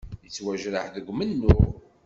Yettwajreḥ deg umennuɣ.